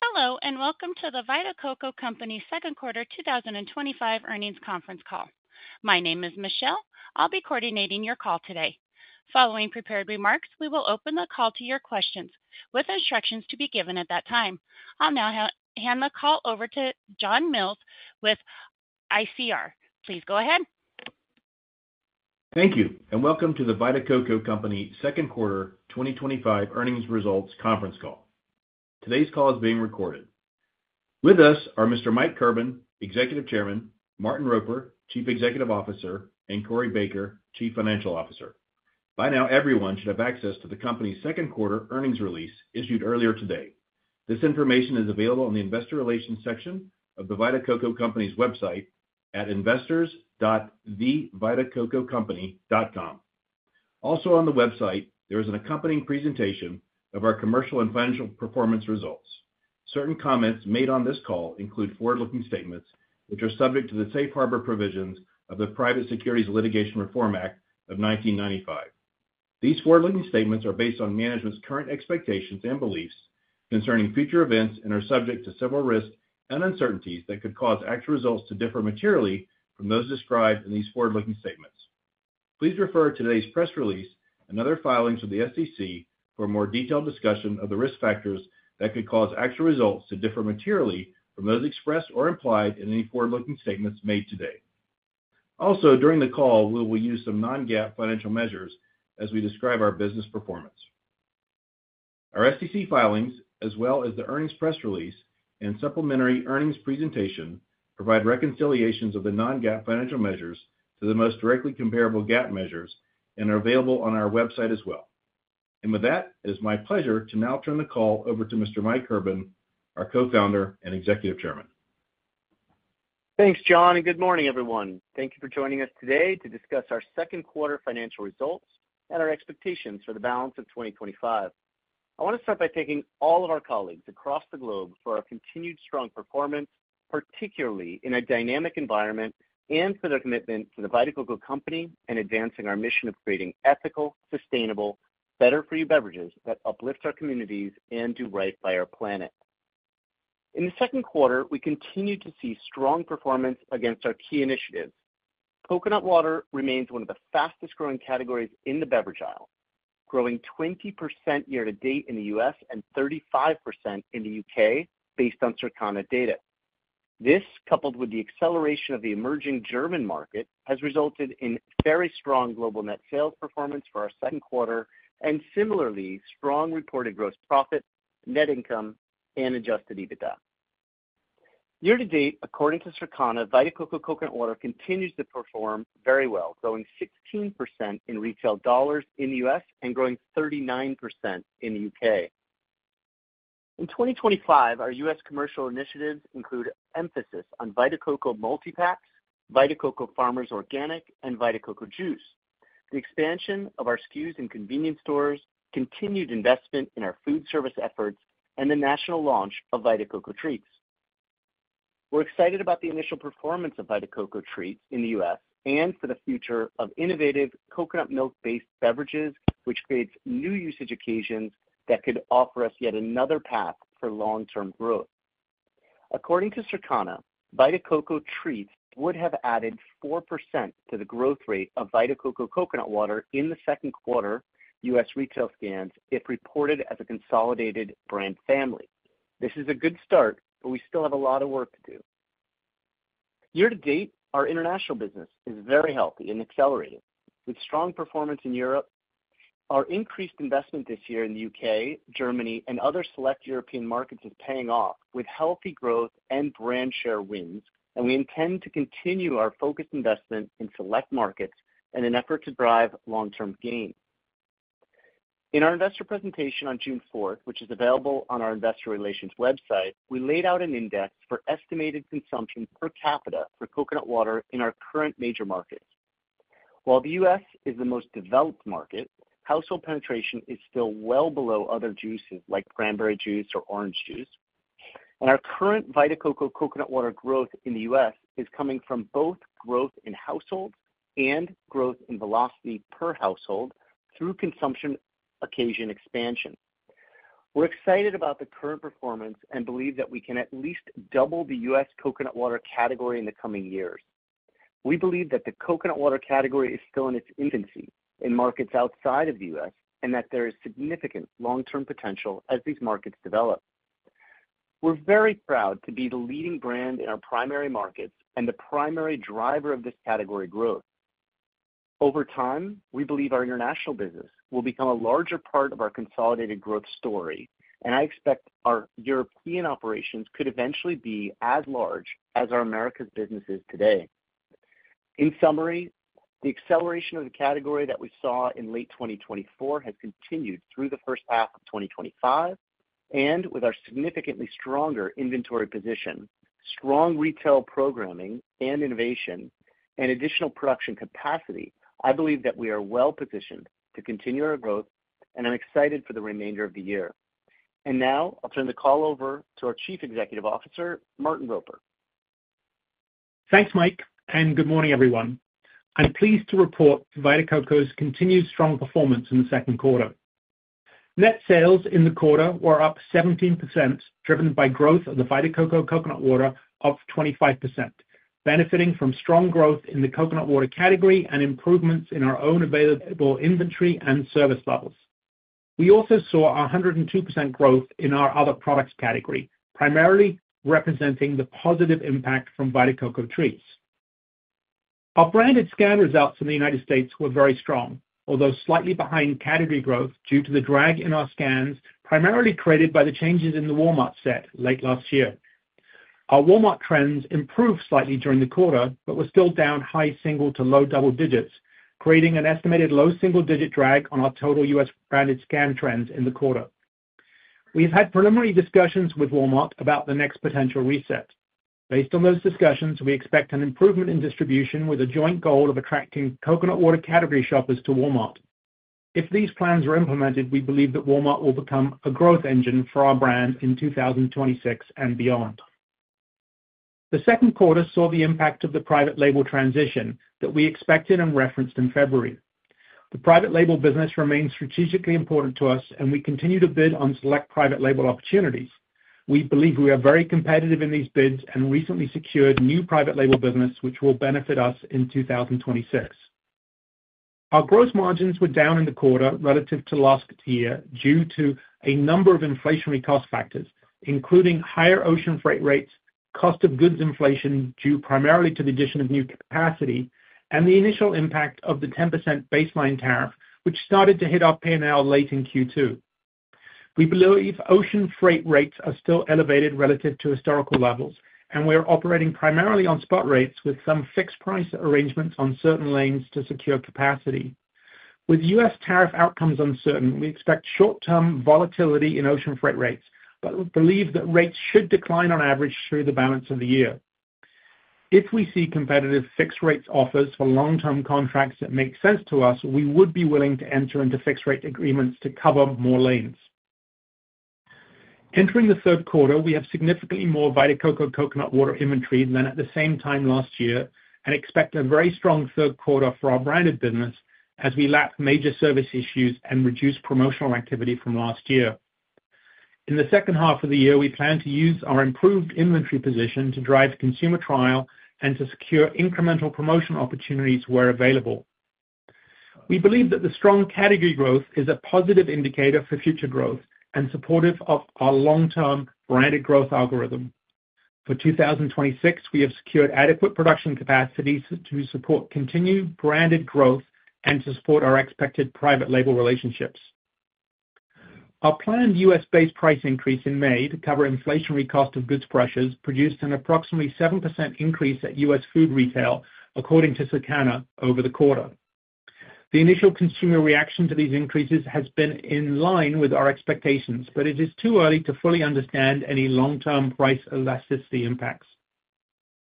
Hello, and welcome to The Vita Coco Company's second quarter 2025 earnings conference call. My name is Michelle. I'll be coordinating your call today. Following prepared remarks, we will open the call to your questions with instructions to be given at that time. I'll now hand the call over to John Mills with ICR. Please go ahead. Thank you, and welcome to The Vita Coco Company second quarter 2025 earnings results conference call. Today's call is being recorded. With us are Mr. Mike Kirban, Executive Chairman, Martin Roper, Chief Executive Officer, and Corey Baker, Chief Financial Officer. By now, everyone should have access to the company's second quarter earnings release issued earlier today. This information is available in the Investor Relations section of The Vita Coco Company's website at investors.thevitacococompany.com. Also on the website, there is an accompanying presentation of our commercial and financial performance results. Certain comments made on this call include forward-looking statements, which are subject to the safe harbor provisions of the Private Securities Litigation Reform Act of 1995. These forward-looking statements are based on management's current expectations and beliefs concerning future events and are subject to several risks and uncertainties that could cause actual results to differ materially from those described in these forward-looking statements. Please refer to today's press release and other filings from the SEC for a more detailed discussion of the risk factors that could cause actual results to differ materially from those expressed or implied in any forward-looking statements made today. During the call, we will use some non-GAAP financial measures as we describe our business performance. Our SEC filings, as well as the earnings press release and supplementary earnings presentation, provide reconciliations of the non-GAAP financial measures to the most directly comparable GAAP measures and are available on our website as well. It is my pleasure to now turn the call over to Mr. Mike Kirban, our co-founder and Executive Chairman. Thanks, John, and good morning, everyone. Thank you for joining us today to discuss our second quarter financial results and our expectations for the balance of 2025. I want to start by thanking all of our colleagues across the globe for our continued strong performance, particularly in a dynamic environment, and for their commitment to The Vita Coco Company and advancing our mission of creating ethical, sustainable, better-for-you beverages that uplift our communities and do right by our planet. In the second quarter, we continued to see strong performance against our key initiatives. Coconut water remains one of the fastest growing categories in the beverage aisle, growing 20% year to date in the U.S. and 35% in the U.K. based on Circana data. This, coupled with the acceleration of the emerging German market, has resulted in very strong global net sales performance for our second quarter and similarly strong reported gross profit, net income, and adjusted EBITDA. Year to date, according to Circana, Vita Coco Coconut Water continues to perform very well, growing 16% in retail dollars in the U.S. and growing 39% in the U.K. In 2025, our U.S. commercial initiatives include emphasis on Vita Coco Multi-Packs, Vita Coco Farmers Organic, and Vita Coco Juice, the expansion of our SKUs in convenience stores, continued investment in our foodservice efforts, and the national launch of Vita Coco Treats. We're excited about the initial performance of Vita Coco Treats in the U.S. and for the future of innovative coconut milk-based beverages, which creates new usage occasions that could offer us yet another path for long-term growth. According to Circana, Vita Coco Treats would have added 4% to the growth rate of Vita Coco Coconut Water in the second quarter U.S. retail scans if reported as a consolidated brand family. This is a good start, but we still have a lot of work to do. Year to date, our international business is very healthy and accelerating, with strong performance in Europe. Our increased investment this year in the U.K., Germany, and other select European markets is paying off, with healthy growth and brand share wins, and we intend to continue our focused investment in select markets in an effort to drive long-term gains. In our investor presentation on June 4th, which is available on our Investor Relations website, we laid out an index for estimated consumption per capita for coconut water in our current major markets. While the U.S. is the most developed market, household penetration is still well below other juices like cranberry juice or orange juice, and our current Vita Coco Coconut Water growth in the U.S. is coming from both growth in households and growth in velocity per household through consumption occasion expansion. We're excited about the current performance and believe that we can at least double the U.S. coconut water category in the coming years. We believe that the coconut water category is still in its infancy in markets outside of the U.S. and that there is significant long-term potential as these markets develop. We're very proud to be the leading brand in our primary markets and the primary driver of this category growth. Over time, we believe our international business will become a larger part of our consolidated growth story, and I expect our European operations could eventually be as large as our Americas businesses today. In summary, the acceleration of the category that we saw in late 2024 has continued through the first half of 2025, and with our significantly stronger inventory position, strong retail programming and innovation, and additional production capacity, I believe that we are well positioned to continue our growth, and I'm excited for the remainder of the year. Now, I'll turn the call over to our Chief Executive Officer, Martin Roper. Thanks, Mike, and good morning, everyone. I'm pleased to report The Vita Coco's continued strong performance in the second quarter. Net sales in the quarter were up 17%, driven by growth of the Vita Coco Coconut Water of 25%, benefiting from strong growth in the coconut water category and improvements in our own available inventory and service levels. We also saw a 102% growth in our other products category, primarily representing the positive impact from Vita Coco Treats. Our branded scan results in the U.S. were very strong, although slightly behind category growth due to the drag in our scans, primarily created by the changes in the Walmart set late last year. Our Walmart trends improved slightly during the quarter, but were still down high single to low double digits, creating an estimated low single-digit drag on our total U.S. branded scan trends in the quarter. We have had preliminary discussions with Walmart about the next potential reset. Based on those discussions, we expect an improvement in distribution with a joint goal of attracting coconut water category shoppers to Walmart. If these plans are implemented, we believe that Walmart will become a growth engine for our brand in 2026 and beyond. The second quarter saw the impact of the private label transition that we expected and referenced in February. The private label business remains strategically important to us, and we continue to bid on select private label opportunities. We believe we are very competitive in these bids and recently secured new private label business, which will benefit us in 2026. Our gross margins were down in the quarter relative to last year due to a number of inflationary cost factors, including higher ocean freight rates, cost of goods inflation due primarily to the addition of new capacity, and the initial impact of the 10% baseline tariff, which started to hit our P&L late in Q2. We believe ocean freight rates are still elevated relative to historical levels, and we are operating primarily on spot rates with some fixed price arrangements on certain lanes to secure capacity. With U.S. tariff outcomes uncertain, we expect short-term volatility in ocean freight rates, but believe that rates should decline on average through the balance of the year. If we see competitive fixed rate offers for long-term contracts that make sense to us, we would be willing to enter into fixed rate agreements to cover more lanes. Entering the third quarter, we have significantly more Vita Coco Coconut Water inventory than at the same time last year and expect a very strong third quarter for our branded business as we lap major service issues and reduce promotional activity from last year. In the second half of the year, we plan to use our improved inventory position to drive consumer trial and to secure incremental promotional opportunities where available. We believe that the strong category growth is a positive indicator for future growth and supportive of our long-term branded growth algorithm. For 2026, we have secured adequate production capacity to support continued branded growth and to support our expected private label relationships. Our planned U.S.-based price increase in May to cover inflationary cost of goods pressures produced an approximately 7% increase at U.S. food retail, according to Circana over the quarter. The initial consumer reaction to these increases has been in line with our expectations, but it is too early to fully understand any long-term price elasticity impacts.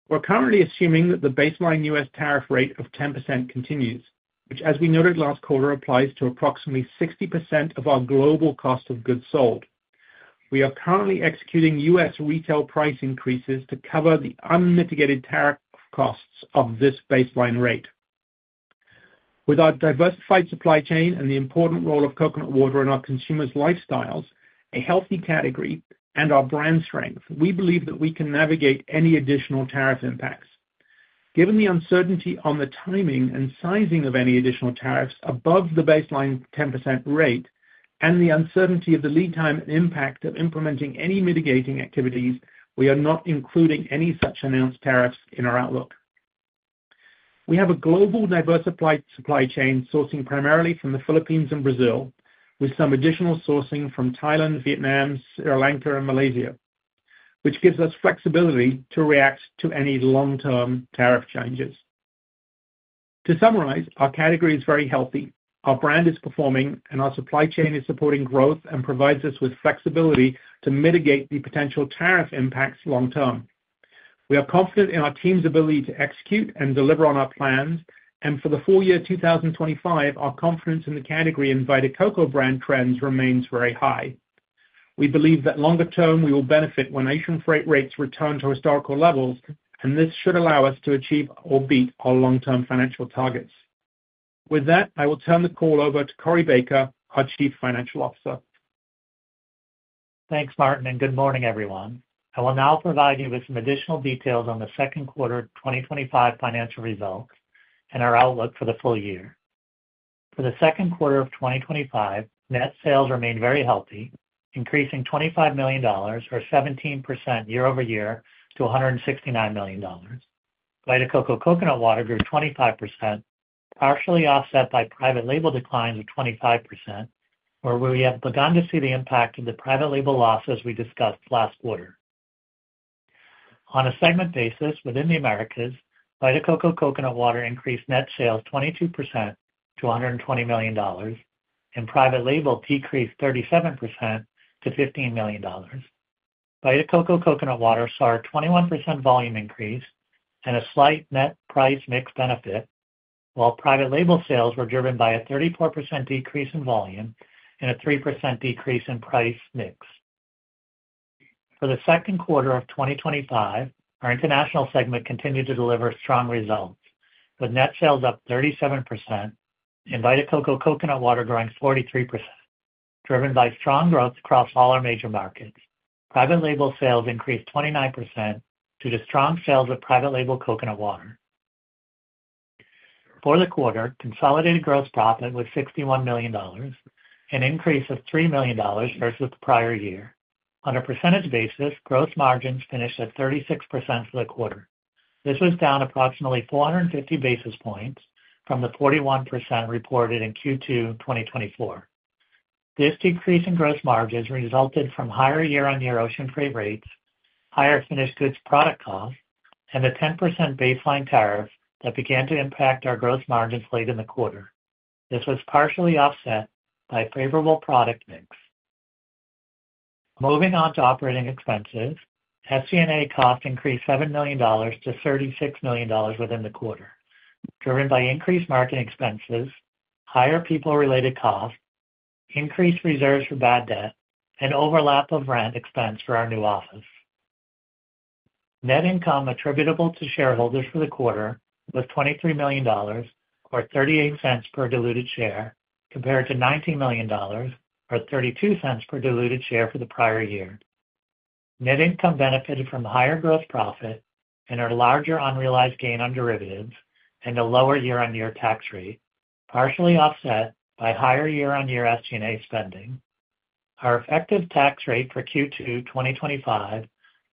We're currently assuming that the baseline U.S. tariff rate of 10% continues, which, as we noted last quarter, applies to approximately 60% of our global cost of goods sold. We are currently executing U.S. retail price increases to cover the unmitigated tariff costs of this baseline rate. With our diversified supply chain and the important role of coconut water in our consumers' lifestyles, a healthy category, and our brand strength, we believe that we can navigate any additional tariff impacts. Given the uncertainty on the timing and sizing of any additional tariffs above the baseline 10% rate and the uncertainty of the lead time and impact of implementing any mitigating activities, we are not including any such announced tariffs in our outlook. We have a global diversified supply chain sourcing primarily from the Philippines and Brazil, with some additional sourcing from Thailand, Vietnam, Sri Lanka, and Malaysia, which gives us flexibility to react to any long-term tariff changes. To summarize, our category is very healthy, our brand is performing, and our supply chain is supporting growth and provides us with flexibility to mitigate the potential tariff impacts long term. We are confident in our team's ability to execute and deliver on our plans, and for the full year 2025, our confidence in the category and Vita Coco brand trends remains very high. We believe that longer term, we will benefit when ocean freight rates return to historical levels, and this should allow us to achieve or beat our long-term financial targets. With that, I will turn the call over to Corey Baker, our Chief Financial Officer. Thanks, Martin, and good morning, everyone. I will now provide you with some additional details on the second quarter 2025 financial results and our outlook for the full year. For the second quarter of 2025, net sales remained very healthy, increasing $25 million, or 17% year-over-year, to $169 million. Vita Coco Coconut Water grew 25%, partially offset by private label declines of 25%, where we have begun to see the impact of the private label losses we discussed last quarter. On a segment basis within the Americas, Vita Coco Coconut Water increased net sales 22% to $120 million, and private label decreased 37% to $15 million. Vita Coco Coconut Water saw a 21% volume increase and a slight net price mix benefit, while private label sales were driven by a 34% decrease in volume and a 3% decrease in price mix. For the second quarter of 2025, our international segment continued to deliver strong results, with net sales up 37% and Vita Coco Coconut Water growing 43%, driven by strong growth across all our major markets. Private label sales increased 29% due to strong sales of private label coconut water. For the quarter, consolidated gross profit was $61 million, an increase of $3 million versus the prior year. On a percentage basis, gross margins finished at 36% for the quarter. This was down approximately 450 basis points from the 41% reported in Q2 2024. This decrease in gross margins resulted from higher year-over-year ocean freight rates, higher finished goods product cost, and the 10% baseline tariff that began to impact our gross margins late in the quarter. This was partially offset by a favorable product mix. Moving on to operating expenses, SG&A cost increased $7 million to $36 million within the quarter, driven by increased market expenses, higher people-related costs, increased reserves for bad debt, and overlap of rent expense for our new office. Net income attributable to shareholders for the quarter was $23 million, or $0.38 per diluted share, compared to $19 million, or $0.32 per diluted share for the prior year. Net income benefited from higher gross profit and a larger unrealized gain on derivatives and a lower year-over-year tax rate, partially offset by higher year-over-year SG&A spending. Our effective tax rate for Q2 2025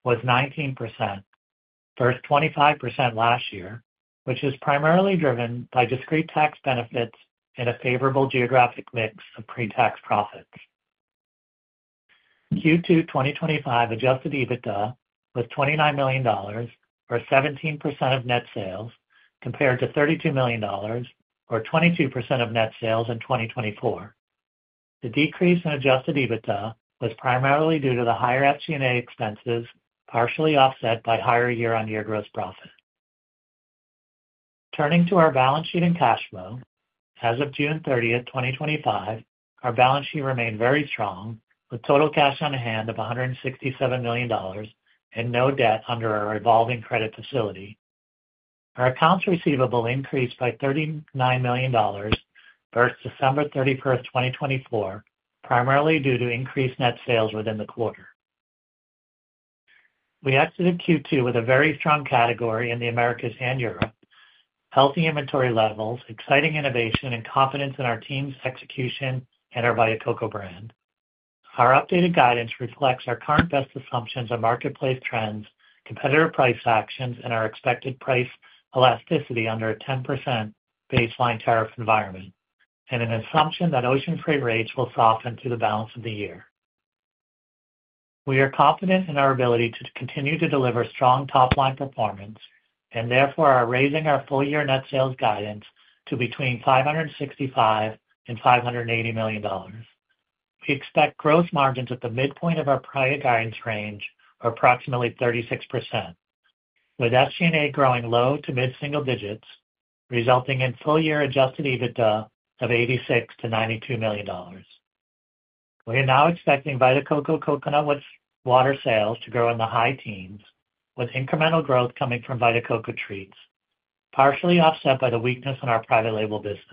was 19%, versus 25% last year, which is primarily driven by discrete tax benefits and a favorable geographic mix of pre-tax profits. Q2 2025 adjusted EBITDA was $29 million, or 17% of net sales, compared to $32 million, or 22% of net sales in 2024. The decrease in adjusted EBITDA was primarily due to the higher SG&A expenses, partially offset by higher year-over-year gross profit. Turning to our balance sheet and cash flow, as of June 30th, 2025, our balance sheet remained very strong, with total cash on hand of $167 million and no debt under our revolving credit facility. Our accounts receivable increased by $39 million versus December 31st, 2024, primarily due to increased net sales within the quarter. We exited Q2 with a very strong category in the Americas and Europe, healthy inventory levels, exciting innovation, and confidence in our team's execution and our Vita Coco brand. Our updated guidance reflects our current best assumptions of marketplace trends, competitor price actions, and our expected price elasticity under a 10% baseline tariff environment, and an assumption that ocean freight rates will soften through the balance of the year. We are confident in our ability to continue to deliver strong top-line performance and therefore are raising our full-year net sales guidance to between $565 million and $580 million. We expect gross margins at the midpoint of our prior guidance range are approximately 36%, with SG&A growing low to mid-single digits, resulting in full-year adjusted EBITDA of $86 million to $92 million. We are now expecting Vita Coco Coconut Water sales to grow in the high teens, with incremental growth coming from Vita Coco Treats, partially offset by the weakness in our private label business.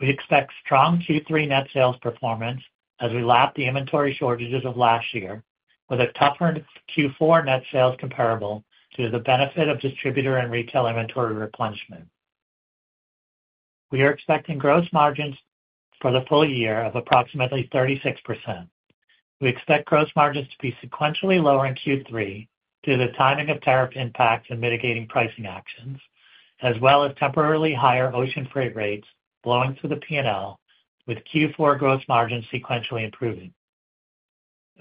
We expect strong Q3 net sales performance as we lap the inventory shortages of last year, with a tougher Q4 net sales comparable to the benefit of distributor and retail inventory replenishment. We are expecting gross margins for the full year of approximately 36%. We expect gross margins to be sequentially lower in Q3 due to the timing of tariff impacts and mitigating pricing actions, as well as temporarily higher ocean freight rates blowing through the P&L, with Q4 gross margins sequentially improving.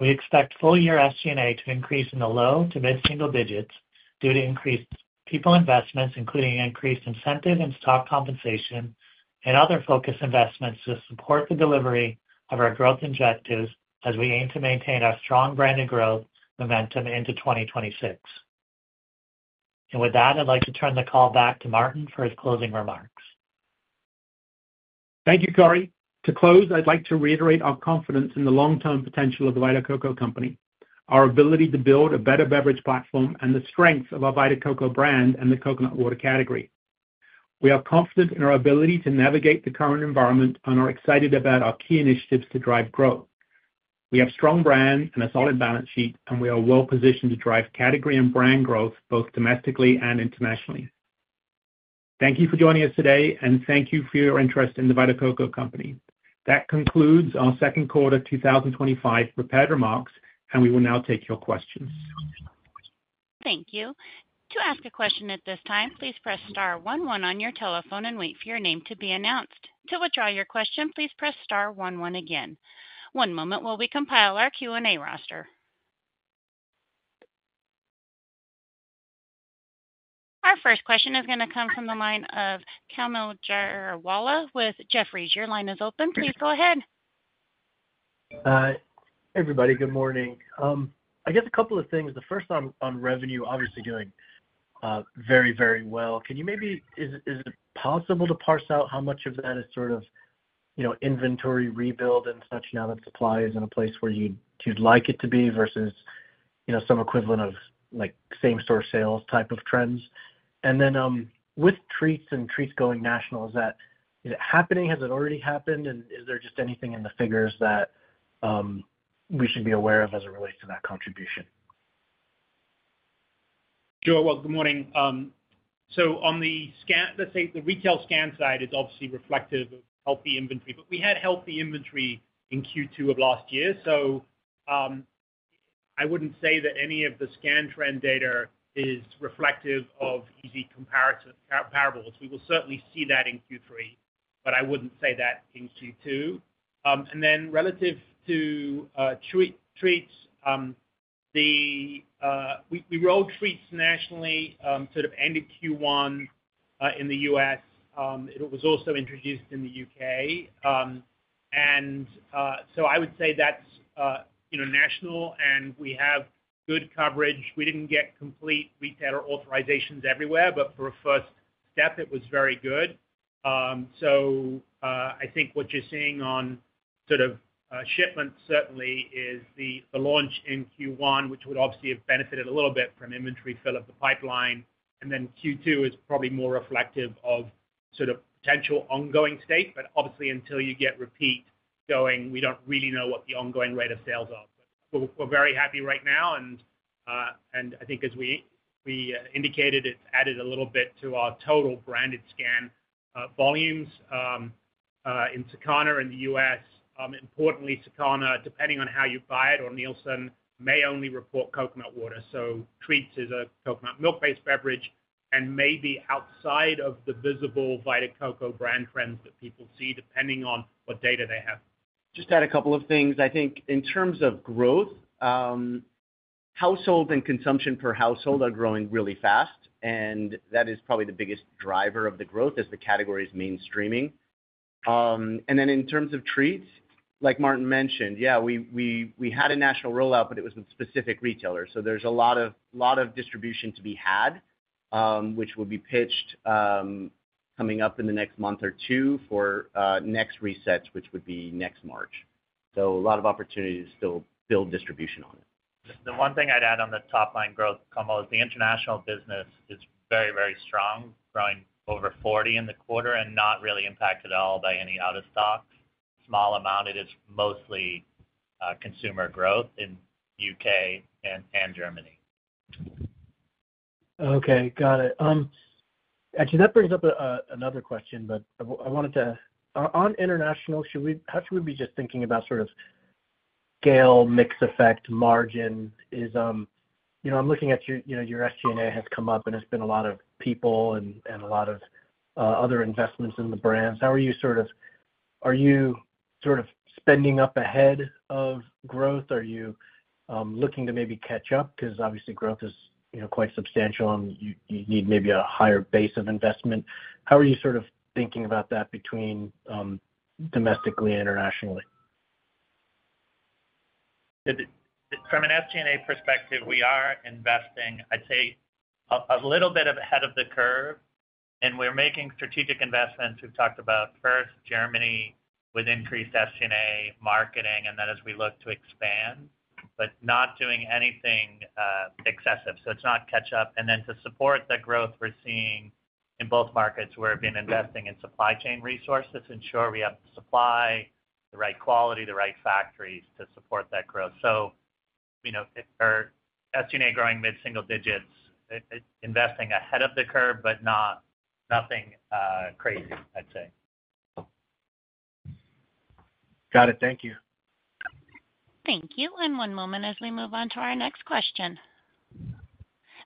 We expect full-year SG&A to increase in the low to mid-single digits due to increased people investments, including increased incentive and stock compensation and other focused investments to support the delivery of our growth objectives as we aim to maintain our strong branded growth momentum into 2026. With that, I'd like to turn the call back to Martin for his closing remarks. Thank you, Corey. To close, I'd like to reiterate our confidence in the long-term potential of The Vita Coco Company, our ability to build a better beverage platform, and the strength of our Vita Coco brand and the coconut water category. We are confident in our ability to navigate the current environment and are excited about our key initiatives to drive growth. We have a strong brand and a solid balance sheet, and we are well positioned to drive category and brand growth both domestically and internationally. Thank you for joining us today, and thank you for your interest in The Vita Coco Company. That concludes our second quarter 2025 prepared remarks, and we will now take your questions. Thank you. To ask a question at this time, please press star one one on your telephone and wait for your name to be announced. To withdraw your question, please press star one one again. One moment while we compile our Q&A roster. Our first question is going to come from the line of Kaumil Gajrawala with Jefferies. Your line is open. Please go ahead. Hey, everybody. Good morning. I guess a couple of things. The first on revenue, obviously doing very, very well. Can you maybe, is it possible to parse out how much of that is sort of, you know, inventory rebuild and such now that supply is in a place where you'd like it to be versus, you know, some equivalent of like same-store sales type of trends? With Treats and Treats going national, is that, is it happening? Has it already happened? Is there just anything in the figures that we should be aware of as it relates to that contribution? Sure. Good morning. On the scan, the retail scan side is obviously reflective of healthy inventory, but we had healthy inventory in Q2 of last year. I wouldn't say that any of the scan trend data is reflective of easy comparables. We will certainly see that in Q3, but I wouldn't say that in Q2. Relative to Treats, we rolled Treats nationally, sort of ended Q1 in the U.S. It was also introduced in the U.K. I would say that's national and we have good coverage. We didn't get complete retailer authorizations everywhere, but for a first step, it was very good. I think what you're seeing on shipment certainly is the launch in Q1, which would obviously have benefited a little bit from inventory fill of the pipeline. Q2 is probably more reflective of potential ongoing state, but obviously until you get repeat going, we don't really know what the ongoing rate of sales are. We're very happy right now. I think as we indicated, it's added a little bit to our total branded scan volumes in Circana in the U.S. Importantly, Circana, depending on how you buy it on Nielsen, may only report coconut water. Treats is a coconut milk-based beverage and may be outside of the visible Vita Coco brand trends that people see depending on what data they have. Just add a couple of things. I think in terms of growth, household and consumption per household are growing really fast, and that is probably the biggest driver of the growth as the category is mainstreaming. In terms of Treats, like Martin mentioned, yeah, we had a national rollout, but it was with specific retailers. There is a lot of distribution to be had, which will be pitched coming up in the next month or two for next resets, which would be next March. There are a lot of opportunities to still build distribution on it. The one thing I'd add on the top-line growth, Kaumil, is the international business is very, very strong, growing over 40% in the quarter and not really impacted at all by any out-of-stock. Small amount, it is mostly consumer growth in the U.K. and Germany. Okay. Got it. Actually, that brings up another question, but I wanted to, on international, should we, how should we be just thinking about sort of scale mix effect margin? Is, you know, I'm looking at your, you know, your SG&A has come up and there's been a lot of people and a lot of other investments in the brands. How are you sort of, are you sort of spending up ahead of growth? Are you looking to maybe catch up? Because obviously growth is, you know, quite substantial and you need maybe a higher base of investment. How are you sort of thinking about that between domestically and internationally? From an SG&A perspective, we are investing, I'd say, a little bit ahead of the curve, and we're making strategic investments. We've talked about first Germany with increased SG&A marketing, and as we look to expand, not doing anything excessive. It's not catch up. To support the growth we're seeing in both markets, we've been investing in supply chain resources to ensure we have the supply, the right quality, the right factories to support that growth. Our SG&A is growing mid-single digits, investing ahead of the curve, but nothing crazy, I'd say. Got it. Thank you. Thank you. One moment as we move on to our next question.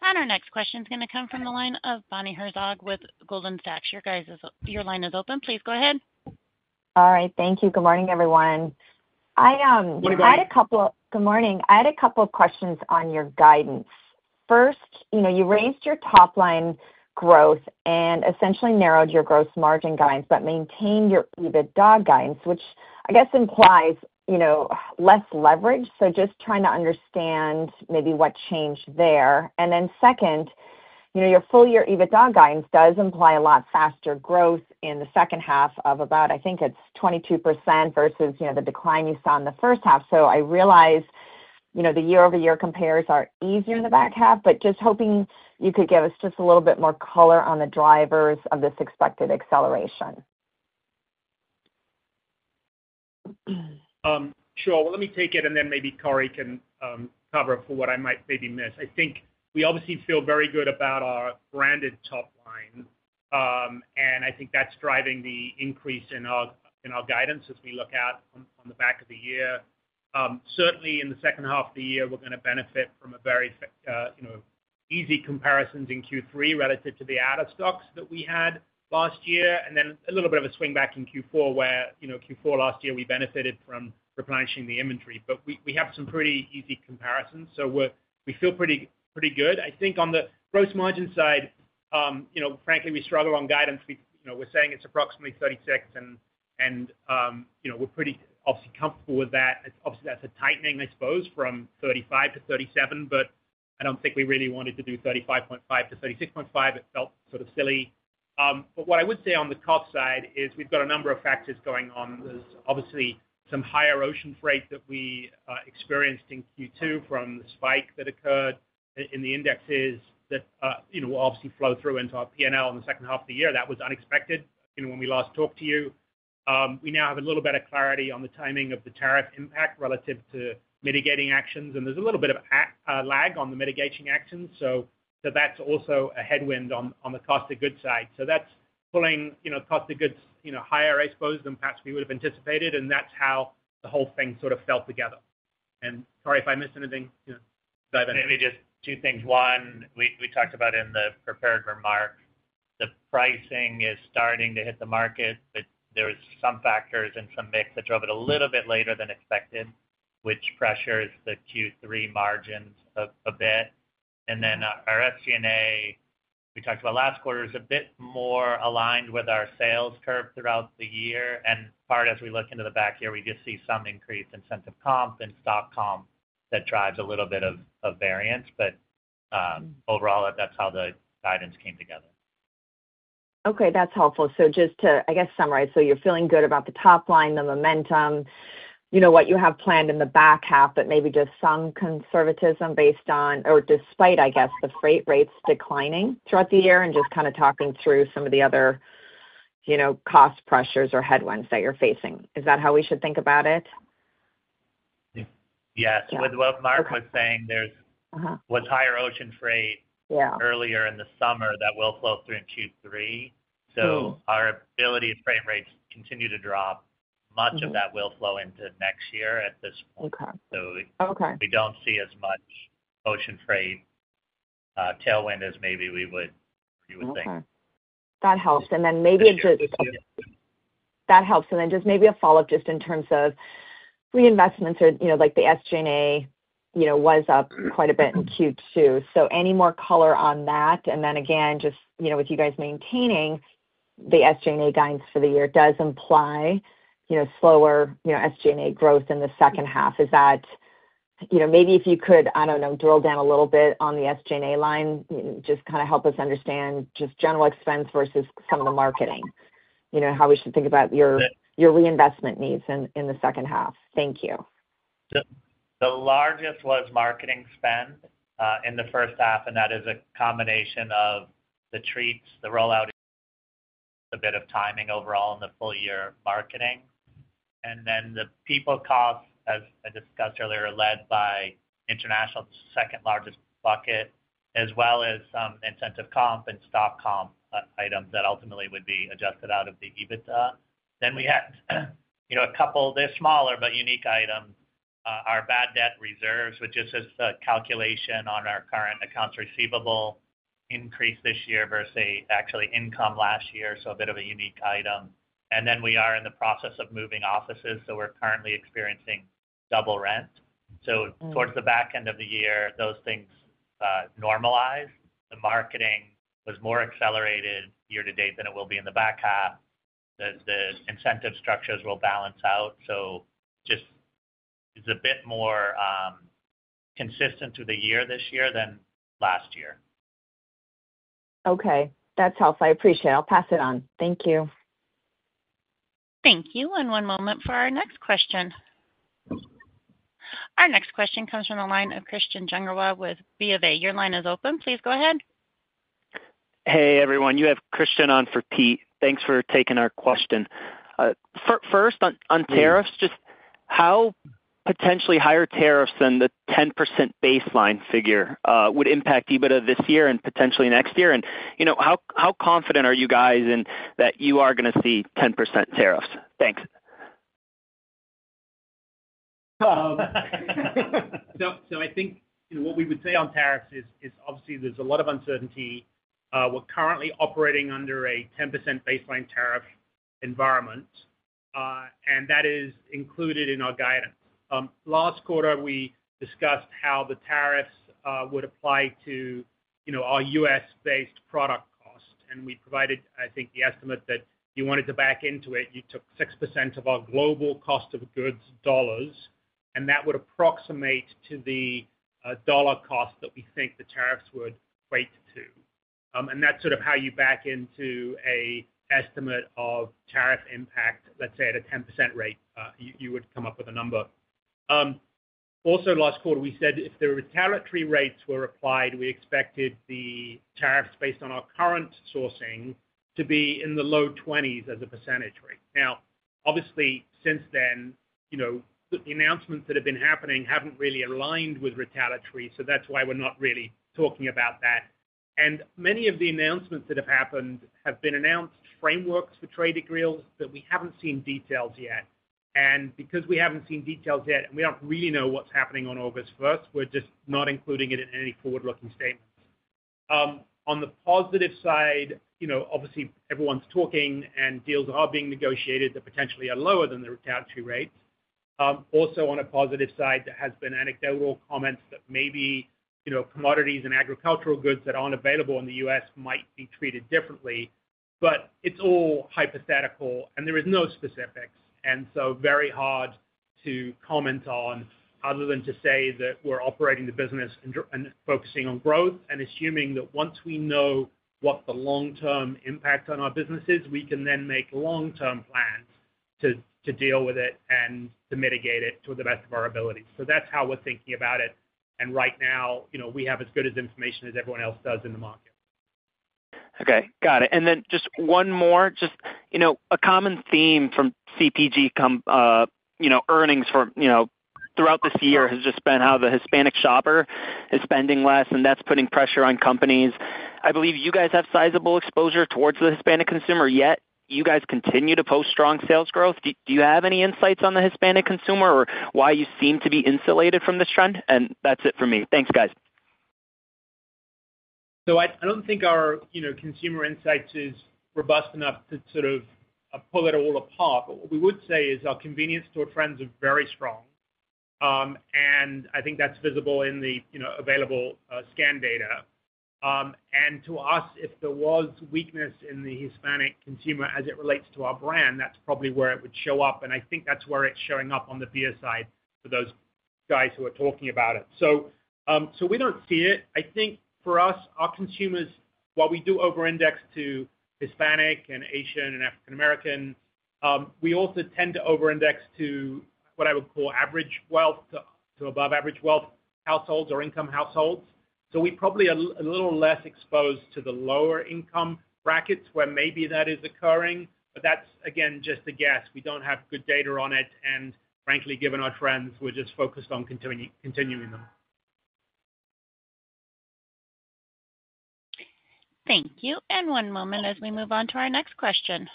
Our next question is going to come from the line of Bonnie Herzog with Goldman Sachs. Your line is open. Please go ahead. All right. Thank you. Good morning, everyone. I had a couple of questions on your guidance. First, you raised your top-line growth and essentially narrowed your gross margin guidance, but maintained your EBITDA guidance, which I guess implies less leverage. Just trying to understand maybe what changed there. Second, your full-year EBITDA guidance does imply a lot faster growth in the second half of about 22% versus the decline you saw in the first half. I realize the year-over-year compares are easier in the back half, but just hoping you could give us a little bit more color on the drivers of this expected acceleration. Sure. Let me take it and then maybe Corey can cover up for what I might maybe miss. I think we obviously feel very good about our branded top line, and I think that's driving the increase in our guidance as we look out on the back of the year. Certainly, in the second half of the year, we're going to benefit from very easy comparisons in Q3 relative to the out-of-stocks that we had last year. There is a little bit of a swing back in Q4 where Q4 last year we benefited from replenishing the inventory, but we have some pretty easy comparisons. We feel pretty good. I think on the gross margin side, frankly, we struggle on guidance. We're saying it's approximately 36%, and we're pretty obviously comfortable with that. That's a tightening, I suppose, from 35%-37%, but I don't think we really wanted to do 35.5%-36.5%. It felt sort of silly. What I would say on the cost side is we've got a number of factors going on. There is obviously some higher ocean freight that we experienced in Q2 from the spike that occurred in the indexes that will obviously flow through into our P&L in the second half of the year. That was unexpected. When we last talked to you, we now have a little bit of clarity on the timing of the tariff impact relative to mitigating actions, and there's a little bit of lag on the mitigating actions. That's also a headwind on the cost of goods side. That's pulling cost of goods higher, I suppose, than perhaps we would have anticipated, and that's how the whole thing sort of fell together. Corey, if I missed anything, dive in. Maybe just two things. One, we talked about in the prepared remark, the pricing is starting to hit the market, but there were some factors and some mix that drove it a little bit later than expected, which pressures the Q3 margins a bit. Our SG&A, we talked about last quarter, is a bit more aligned with our sales curve throughout the year. In part, as we look into the back here, we do see some increased incentive comp and stock comp that drives a little bit of variance. Overall, that's how the guidance came together. Okay, that's helpful. Just to summarize, you're feeling good about the top line, the momentum, what you have planned in the back half, but maybe just some conservatism based on, or despite, the freight rates declining throughout the year and just kind of talking through some of the other cost pressures or headwinds that you're facing. Is that how we should think about it? Yes. With what Martin was saying, there was higher ocean freight earlier in the summer that will flow through in Q3. Our ability to frame rates continue to drop. Much of that will flow into next year at this point. We do not see as much ocean freight tailwind as maybe you would think. That helps. Maybe a follow-up just in terms of reinvestments or, you know, like the SG&A was up quite a bit in Q2. Any more color on that? With you guys maintaining the SG&A guidance for the year, it does imply slower SG&A growth in the second half. If you could, I don't know, drill down a little bit on the SG&A line, just kind of help us understand general expense versus some of the marketing, and how we should think about your reinvestment needs in the second half. Thank you. Yep. The largest was marketing spend in the first half, and that is a combination of the Treats, the rollout, a bit of timing overall in the full-year marketing. The people cost, as I discussed earlier, led by international, is the second largest bucket, as well as some incentive comp and stock comp items that ultimately would be adjusted out of the EBITDA. We had a couple, they're smaller but unique items, our bad debt reserves, which is just a calculation on our current accounts receivable increase this year versus actually income last year. A bit of a unique item. We are in the process of moving offices, so we're currently experiencing double rent. Towards the back end of the year, those things normalized. The marketing was more accelerated year to date than it will be in the back half. The incentive structures will balance out. It's a bit more consistent through the year this year than last year. Okay, that's helpful. I appreciate it. I'll pass it on. Thank you. Thank you. One moment for our next question. Our next question comes from the line of Christian Junquera with BofA Securities. Your line is open. Please go ahead. Hey, everyone. You have Christian on for Pete. Thanks for taking our question. First, on tariffs, just how potentially higher tariffs than the 10% baseline figure would impact EBITDA this year and potentially next year? You know, how confident are you guys in that you are going to see 10% tariffs? Thanks. I think what we would say on tariffs is obviously there's a lot of uncertainty. We're currently operating under a 10% baseline tariff environment, and that is included in our guidance. Last quarter, we discussed how the tariffs would apply to our US-based product cost. We provided, I think, the estimate that you wanted to back into it. You took 6% of our global cost of goods dollars, and that would approximate to the dollar cost that we think the tariffs would equate to. That's sort of how you back into an estimate of tariff impact, let's say, at a 10% rate. You would come up with a number. Last quarter, we said if the retaliatory rates were applied, we expected the tariffs based on our current sourcing to be in the low 20%s as a percentage rate. Obviously, since then, the announcements that have been happening haven't really aligned with retaliatory, so that's why we're not really talking about that. Many of the announcements that have happened have been announced frameworks for trade deals that we haven't seen details yet. Because we haven't seen details yet and we don't really know what's happening on August 1st, we're just not including it in any forward-looking statements. On the positive side, obviously, everyone's talking and deals are being negotiated that potentially are lower than the retaliatory rates. Also, on a positive side, there have been anecdotal comments that maybe commodities and agricultural goods that aren't available in the U.S. might be treated differently. It's all hypothetical, and there are no specifics. It's very hard to comment on other than to say that we're operating the business and focusing on growth and assuming that once we know what the long-term impact on our business is, we can then make long-term plans to deal with it and to mitigate it to the best of our abilities. That's how we're thinking about it. Right now, we have as good as information as everyone else does in the market. Okay. Got it. Just one more, a common theme from CPG earnings throughout this year has been how the Hispanic shopper is spending less, and that's putting pressure on companies. I believe you guys have sizable exposure towards the Hispanic consumer, yet you guys continue to post strong sales growth. Do you have any insights on the Hispanic consumer or why you seem to be insulated from this trend? That's it for me. Thanks, guys. I don't think our consumer insights is robust enough to sort of pull it all apart. What we would say is our convenience store trends are very strong, and I think that's visible in the available scan data. To us, if there was weakness in the Hispanic consumer as it relates to our brand, that's probably where it would show up. I think that's where it's showing up on the BS side for those guys who are talking about it. We don't see it. I think for us, our consumers, while we do over-index to Hispanic and Asian and African American, we also tend to over-index to what I would call average wealth to above-average wealth households or income households. We probably are a little less exposed to the lower income brackets where maybe that is occurring. That's, again, just a guess. We don't have good data on it. Frankly, given our trends, we're just focused on continuing them. Thank you. One moment as we move on to our next question.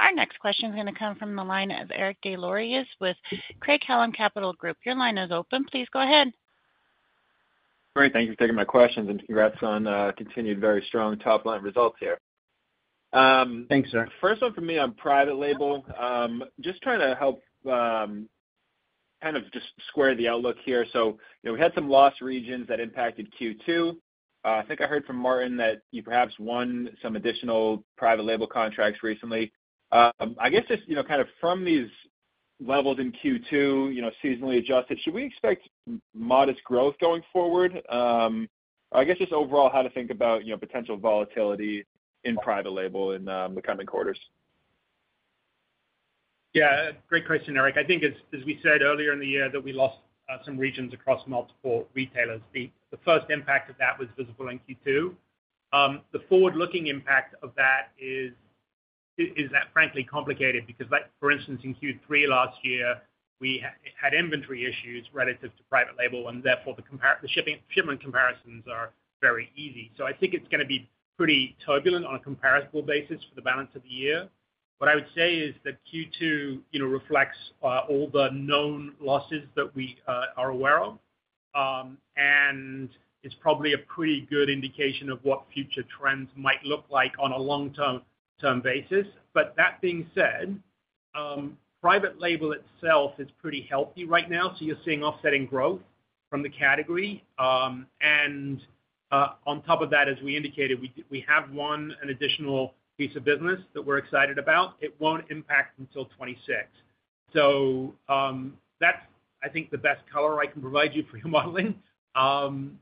Our next question is going to come from the line of Eric Des Lauriers with Craig-Hallum Capital Group LLC. Your line is open. Please go ahead. Great. Thank you for taking my questions, and congrats on continued very strong top-line results here. Thanks, sir. First one for me on private label. Just trying to help kind of just square the outlook here. We had some loss regions that impacted Q2. I think I heard from Martin that you perhaps won some additional private label contracts recently. I guess just from these levels in Q2, seasonally adjusted, should we expect modest growth going forward? I guess just overall how to think about potential volatility in private label in the coming quarters. Yeah, great question, Eric. I think as we said earlier in the year that we lost some regions across multiple retailers. The first impact of that was visible in Q2. The forward-looking impact of that is, frankly, complicated because, like for instance, in Q3 last year, we had inventory issues relative to private label, and therefore the shipment comparisons are very easy. I think it's going to be pretty turbulent on a comparable basis for the balance of the year. What I would say is that Q2 reflects all the known losses that we are aware of, and it's probably a pretty good indication of what future trends might look like on a long-term basis. That being said, private label itself is pretty healthy right now, so you're seeing offsetting growth from the category. On top of that, as we indicated, we have one additional piece of business that we're excited about. It won't impact until 2026. I think that's the best color I can provide you for your modeling.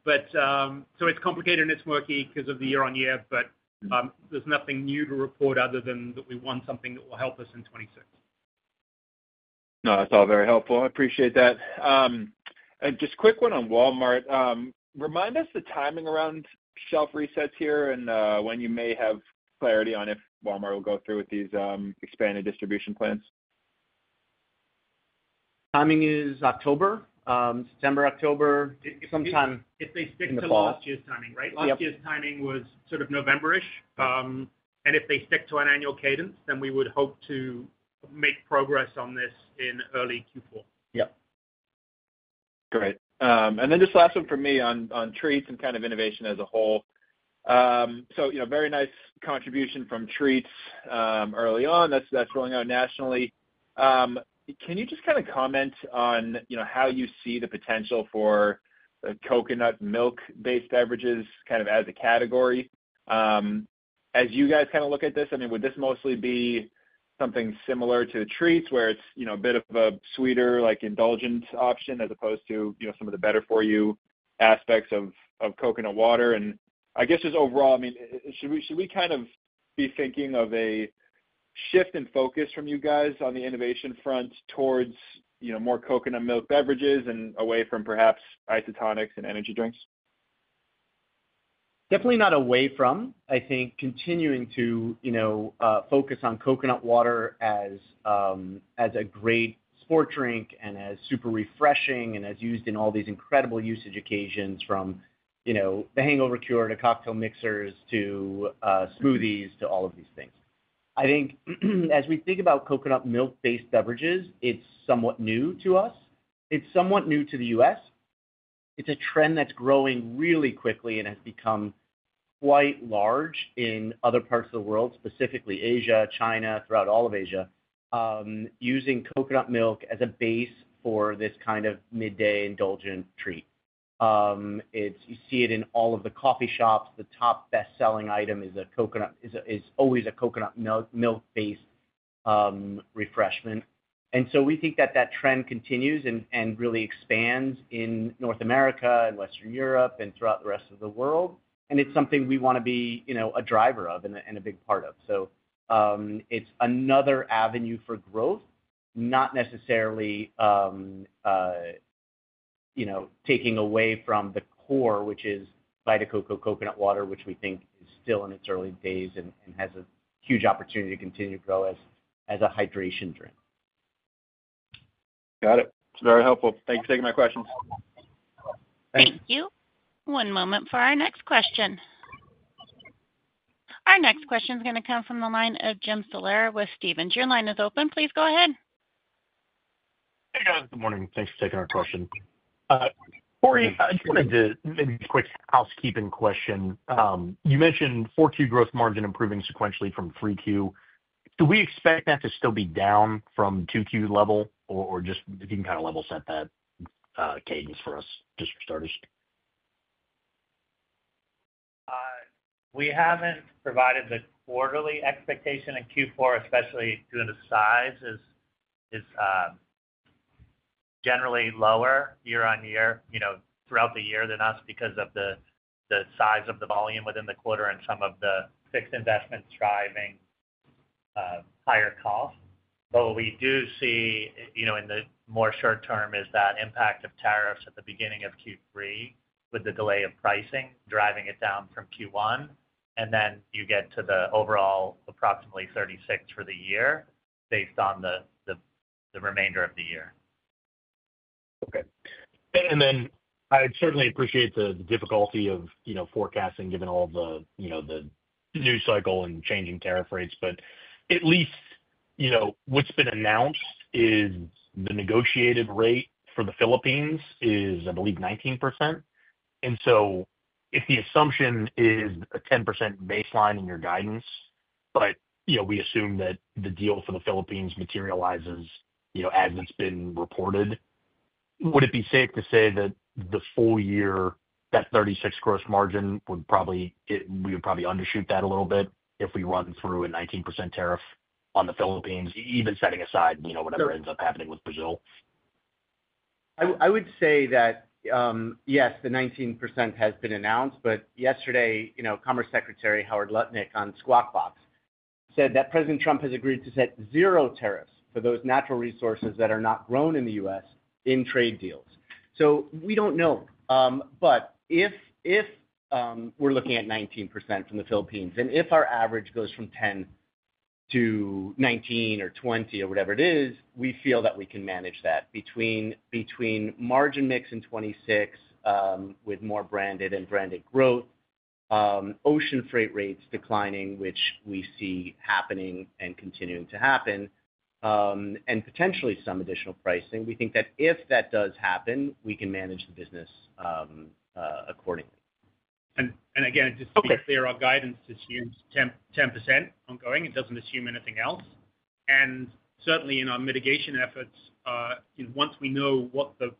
It's complicated and it's murky because of the year-over-year, but there's nothing new to report other than that we won something that will help us in 2026. No, that's all very helpful. I appreciate that. Just a quick one on Walmart. Remind us the timing around shelf resets here and when you may have clarity on if Walmart will go through with these expanded distribution plans. Timing is September, October, sometime. If they stick to last year's timing, right? Last year's timing was sort of November-ish. If they stick to an annual cadence, we would hope to make progress on this in early Q4. Yeah. Great. Just the last one for me on Treats and kind of innovation as a whole. Very nice contribution from Treats early on. That's rolling out nationally. Can you just kind of comment on how you see the potential for the coconut milk-based beverages as a category? As you guys look at this, would this mostly be something similar to the Treats where it's a bit of a sweeter, like, indulgent option as opposed to some of the better-for-you aspects of coconut water? I guess just overall, should we be thinking of a shift in focus from you guys on the innovation front towards more coconut milk beverages and away from perhaps isotonics and energy drinks? Definitely not away from. I think continuing to focus on coconut water as a great sport drink and as super refreshing and as used in all these incredible usage occasions from the hangover cure to cocktail mixers to smoothies to all of these things. I think as we think about coconut milk-based beverages, it's somewhat new to us. It's somewhat new to the U.S. It's a trend that's growing really quickly and has become quite large in other parts of the world, specifically Asia, China, throughout all of Asia, using coconut milk as a base for this kind of midday indulgent treat. You see it in all of the coffee shops. The top best-selling item is always a coconut milk-based refreshment. We think that that trend continues and really expands in North America and Western Europe and throughout the rest of the world. It's something we want to be a driver of and a big part of. It's another avenue for growth, not necessarily taking away from the core, which is Vita Coco Coconut Water, which we think is still in its early days and has a huge opportunity to continue to grow as a hydration drink. Got it. It's very helpful. Thank you for taking my questions. Thank you. One moment for our next question. Our next question is going to come from the line of James Salera with Stephens. Your line is open. Please go ahead. Hey, guys. Good morning. Thanks for taking our question. Corey, I just wanted to maybe ask a quick housekeeping question. You mentioned 4Q gross margin improving sequentially from 3Q. Do we expect that to still be down from 2Q level, or if you can kind of level set that cadence for us, just for starters? We haven't provided the quarterly expectation in Q4, especially due to the size is generally lower year-over-year, you know, throughout the year than us because of the size of the volume within the quarter and some of the fixed investments driving higher costs. What we do see in the more short term is that impact of tariffs at the beginning of Q3 with the delay of pricing driving it down from Q1. You get to the overall approximately 36% for the year based on the remainder of the year. Okay. I certainly appreciate the difficulty of forecasting given all the new cycle and changing tariff rates. At least what's been announced is the negotiated rate for the Philippines is, I believe, 19%. If the assumption is a 10% baseline in your guidance, but we assume that the deal for the Philippines materializes as it's been reported, would it be safe to say that the full year, that 36% gross margin would probably, we would probably undershoot that a little bit if we run through a 19% tariff on the Philippines, even setting aside whatever ends up happening with Brazil? I would say that, yes, the 19% has been announced. Yesterday, you know, Commerce Secretary Howard Lutnick on Squawk Box said that President Trump has agreed to set zero tariffs for those natural resources that are not grown in the U.S. in trade deals. We don't know. If we're looking at 19% from the Philippines, and if our average goes from 10% to 19% or 20% or whatever it is, we feel that we can manage that. Between margin mix in 2026, with more branded and branded growth, ocean freight rates declining, which we see happening and continuing to happen, and potentially some additional pricing, we think that if that does happen, we can manage the business accordingly. Just to be clear, our guidance assumes 10% ongoing. It doesn't assume anything else. Certainly, in our mitigation efforts, once we know what the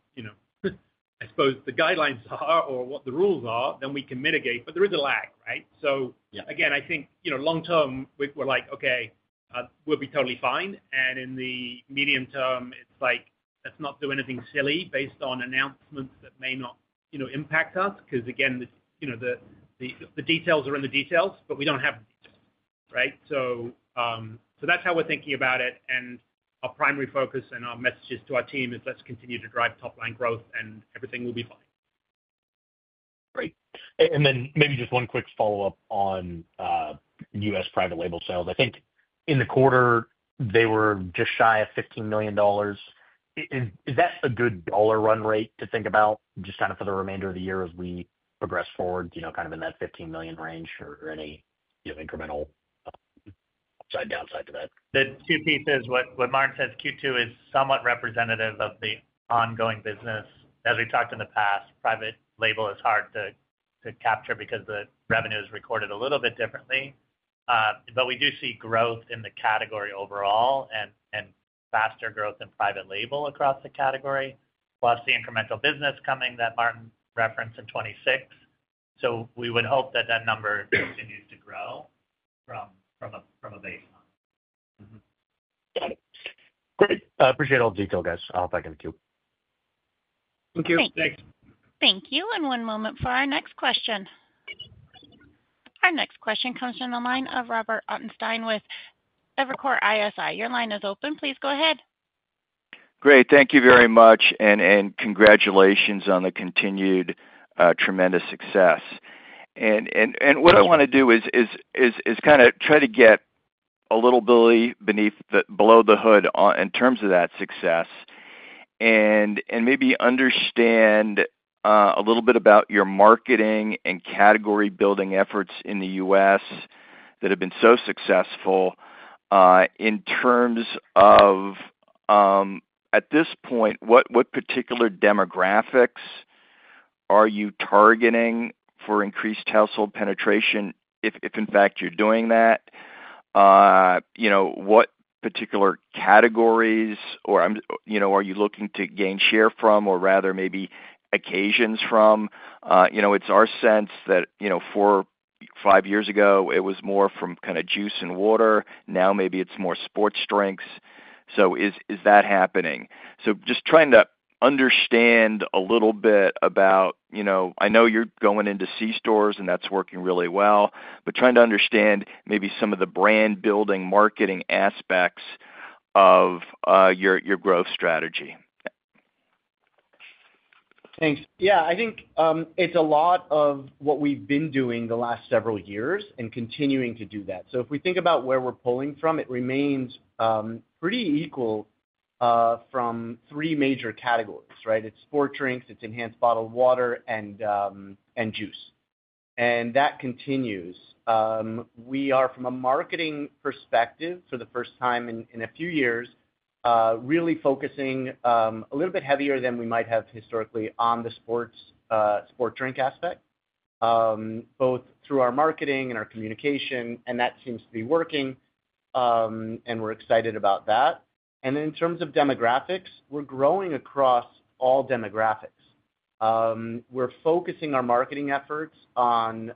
guidelines are or what the rules are, then we can mitigate. There is a lag, right? I think, long term, we're like, okay, we'll be totally fine. In the medium term, it's like, let's not do anything silly based on announcements that may not impact us because the details are in the details, but we don't have the details, right? That's how we're thinking about it. Our primary focus and our message to our team is let's continue to drive top-line growth and everything will be fine. Great. Maybe just one quick follow-up on U.S. private label sales. I think in the quarter, they were just shy of $15 million. Is that a good dollar run rate to think about just kind of for the remainder of the year as we progress forward, you know, kind of in that $15 million range or any, you know, incremental upside downside to that? The two pieces, what Martin says, Q2 is somewhat representative of the ongoing business. As we talked in the past, private label is hard to capture because the revenue is recorded a little bit differently, but we do see growth in the category overall and faster growth in private label across the category. Plus, the incremental business coming that Martin referenced in 2026. We would hope that that number continues to grow from a baseline. Got it. Great. I appreciate all the detail, guys. I hope I can be cute. Thank you. Thanks. Thank you. One moment for our next question. Our next question comes from the line of Robert Edward Ottenstein with Evercore ISI. Your line is open. Please go ahead. Great. Thank you very much. Congratulations on the continued, tremendous success. What I want to do is kind of try to get a little bit beneath the hood in terms of that success and maybe understand a little bit about your marketing and category-building efforts in the U.S. that have been so successful. At this point, what particular demographics are you targeting for increased household penetration, if in fact, you're doing that? What particular categories or, I'm, you know, are you looking to gain share from or rather maybe occasions from? It's our sense that, you know, four or five years ago, it was more from kind of juice and water. Now maybe it's more sports drinks. Is that happening? I'm just trying to understand a little bit about, you know, I know you're going into C-stores and that's working really well, but trying to understand maybe some of the brand-building marketing aspects of your growth strategy. Thanks. Yeah, I think it's a lot of what we've been doing the last several years and continuing to do that. If we think about where we're pulling from, it remains pretty equal from three major categories, right? It's sport drinks, it's enhanced bottled water, and juice. That continues. We are, from a marketing perspective, for the first time in a few years, really focusing a little bit heavier than we might have historically on the sport drink aspect, both through our marketing and our communication. That seems to be working, and we're excited about that. In terms of demographics, we're growing across all demographics. We're focusing our marketing efforts on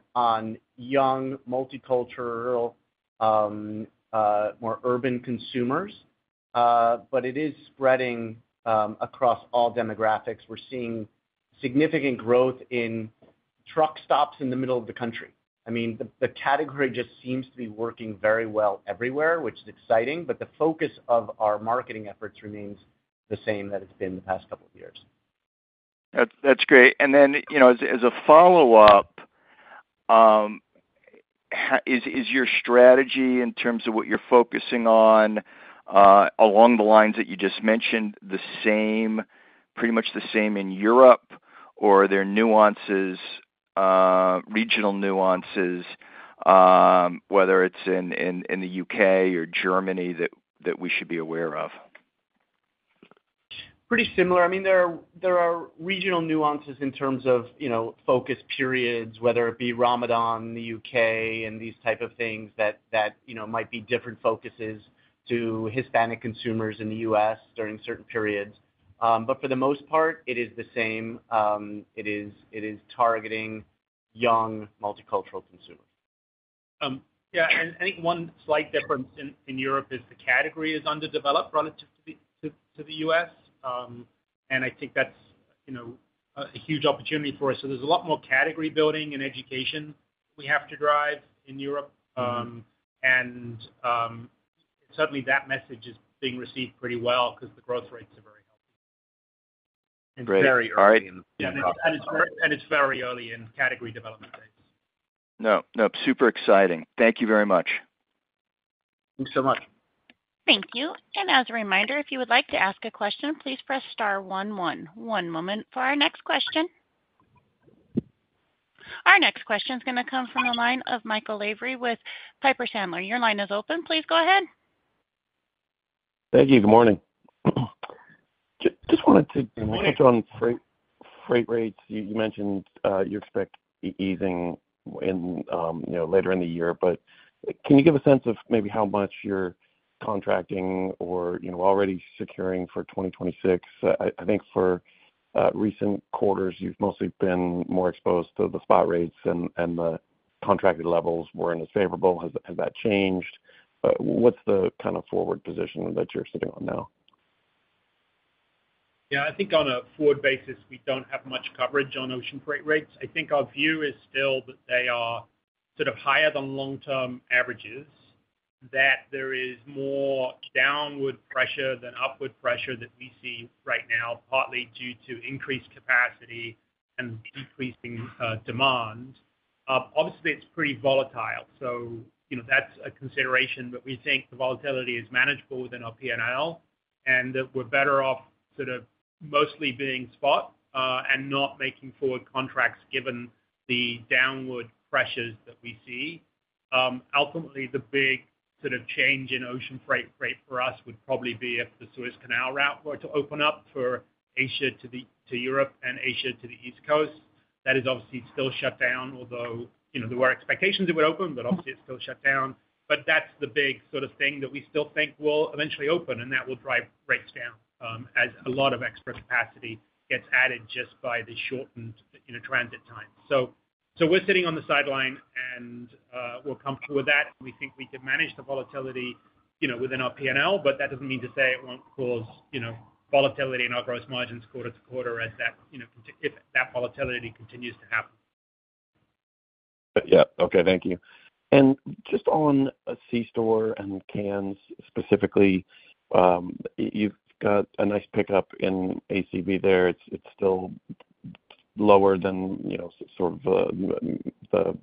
young, multicultural, more urban consumers, but it is spreading across all demographics. We're seeing significant growth in truck stops in the middle of the country. The category just seems to be working very well everywhere, which is exciting. The focus of our marketing efforts remains the same that it's been the past couple of years. That's great. As a follow-up, is your strategy in terms of what you're focusing on along the lines that you just mentioned the same, pretty much the same in Europe, or are there nuances, regional nuances, whether it's in the U.K. or Germany that we should be aware of? Pretty similar. I mean, there are regional nuances in terms of, you know, focus periods, whether it be Ramadan in the U.K. and these types of things that, you know, might be different focuses to Hispanic consumers in the U.S. during certain periods. For the most part, it is the same. It is targeting young multicultural consumers. I think one slight difference in Europe is the category is underdeveloped relative to the U.S. I think that's a huge opportunity for us. There's a lot more category building and education we have to drive in Europe. Certainly, that message is being received pretty well because the growth rates are very healthy. It's very early in category development phase. No, super exciting. Thank you very much. Thanks so much. Thank you. As a reminder, if you would like to ask a question, please press star one one. One moment for our next question. Our next question is going to come from the line of Michael Lavery with Piper Sandler. Your line is open. Please go ahead. Thank you. Good morning. I just wanted to touch on freight rates. You mentioned you expect easing later in the year. Can you give a sense of maybe how much you're contracting or already securing for 2026? I think for recent quarters, you've mostly been more exposed to the spot rates and the contracted levels weren't as favorable. Has that changed? What's the kind of forward position that you're sitting on now? Yeah, I think on a forward basis, we don't have much coverage on ocean freight rates. I think our view is still that they are sort of higher than long-term averages, that there is more downward pressure than upward pressure that we see right now, partly due to increased capacity and increasing demand. Obviously, it's pretty volatile. That's a consideration, but we think the volatility is manageable within our P&L and that we're better off mostly being spot and not making forward contracts given the downward pressures that we see. Ultimately, the big change in ocean freight for us would probably be if the Suez Canal route were to open up for Asia to Europe and Asia to the East Coast. That is obviously still shut down, although there were expectations it would open, but obviously, it's still shut down. That's the big thing that we still think will eventually open, and that will drive rates down as a lot of extra capacity gets added just by the shortened transit time. We're sitting on the sideline, and we're comfortable with that. We think we can manage the volatility within our P&L, but that doesn't mean to say it won't cause volatility in our gross margins quarter to quarter if that volatility continues to happen. Thank you. Just on a C-store and cans specifically, you've got a nice pickup in ACV there. It's still lower than, you know, sort of the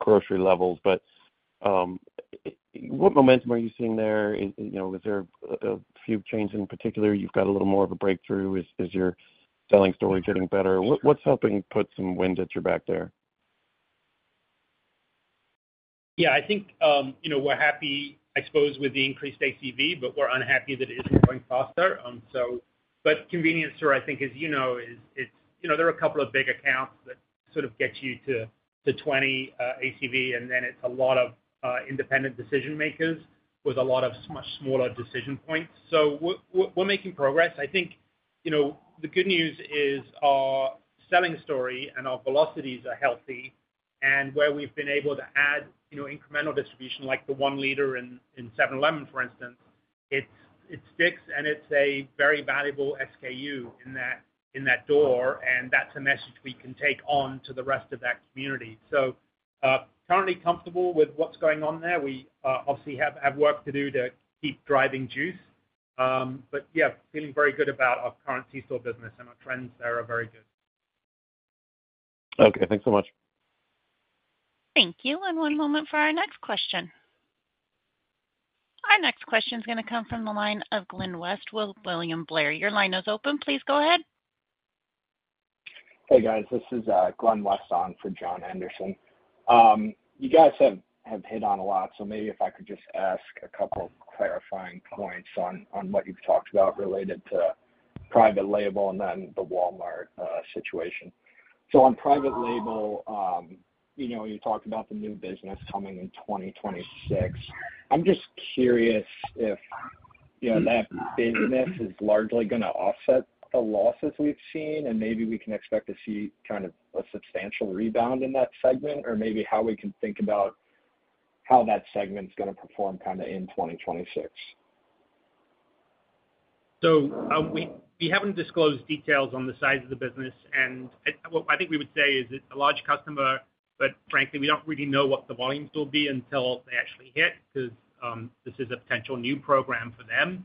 grocery levels. What momentum are you seeing there? Is there a few chains in particular you've got a little more of a breakthrough? Is your selling story getting better? What's helping put some wind at your back there? Yeah, I think we're happy, I suppose, with the increased ACV, but we're unhappy that it isn't going faster. Convenience store, I think, as you know, is, you know, there are a couple of big accounts that sort of get you to 20% ACV, and then it's a lot of independent decision makers with a lot of much smaller decision points. We're making progress. The good news is our selling story and our velocities are healthy. Where we've been able to add incremental distribution, like the one liter in 7-Eleven, for instance, it sticks and it's a very valuable SKU in that door. That's a message we can take on to the rest of that community. Currently comfortable with what's going on there. We obviously have work to do to keep driving juice. Yeah, feeling very good about our current C-store business and our trends there are very good. Okay, thanks so much. Thank you. One moment for our next question. Our next question is going to come from the line of Glenn West with William Blair. Your line is open. Please go ahead. Hey, guys. This is Glenn West on for John Anderson. You guys have hit on a lot. Maybe if I could just ask a couple of clarifying points on what you've talked about related to private label and then the Walmart situation. On private label, you talked about the new business coming in 2026. I'm just curious if that business is largely going to offset the losses we've seen and maybe we can expect to see kind of a substantial rebound in that segment or maybe how we can think about how that segment is going to perform in 2026. We haven't disclosed details on the size of the business. What I think we would say is it's a large customer, but frankly, we don't really know what the volumes will be until they actually hit because this is a potential new program for them.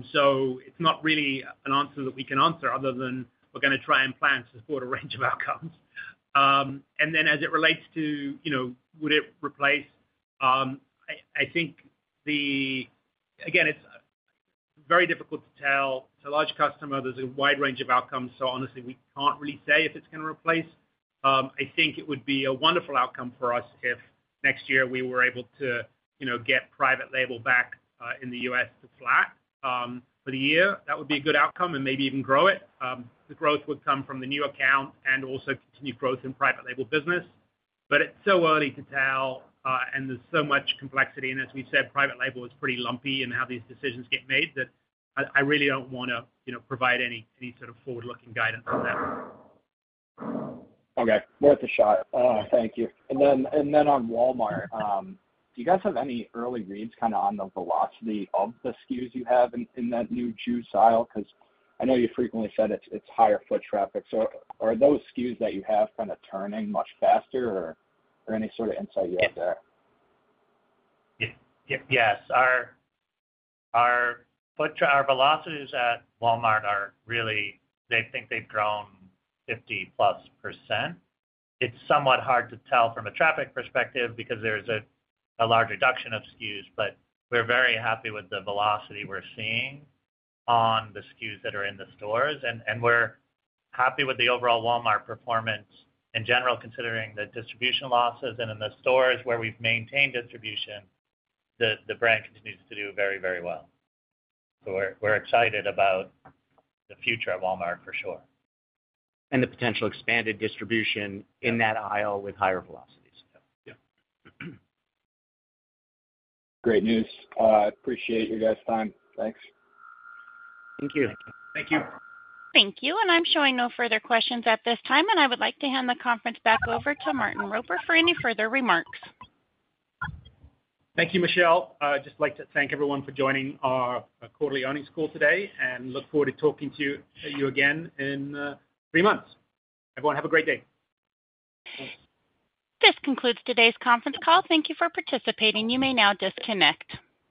It's not really an answer that we can answer other than we're going to try and plan to support a range of outcomes. As it relates to, you know, would it replace, I think it's very difficult to tell. It's a large customer. There's a wide range of outcomes. Honestly, we can't really say if it's going to replace. I think it would be a wonderful outcome for us if next year we were able to, you know, get private label back in the U.S. to flat for the year. That would be a good outcome and maybe even grow it. The growth would come from the new account and also continue growth in private label business. It's so early to tell, and there's so much complexity. As we've said, private label is pretty lumpy in how these decisions get made that I really don't want to provide any sort of forward-looking guidance on that. Thank you. On Walmart, do you guys have any early reads on the velocity of the SKUs you have in that new juice aisle? I know you frequently said it's higher foot traffic. Are those SKUs that you have turning much faster or any sort of insight you have there? Yes. Our velocities at Walmart are really, I think they've grown 50+%. It's somewhat hard to tell from a traffic perspective because there's a large reduction of SKUs, but we're very happy with the velocity we're seeing on the SKUs that are in the stores. We're happy with the overall Walmart performance in general, considering the distribution losses. In the stores where we've maintained distribution, the brand continues to do very, very well. We're excited about the future of Walmart for sure. The potential expanded distribution in that aisle with higher velocities. Yeah, great news. I appreciate your guys' time. Thanks. Thank you. Thank you. Thank you. Thank you. I'm showing no further questions at this time. I would like to hand the conference back over to Martin Roper for any further remarks. Thank you, Michelle. I'd just like to thank everyone for joining our quarterly earnings call today and look forward to talking to you again in three months. Everyone, have a great day. This concludes today's conference call. Thank you for participating. You may now disconnect.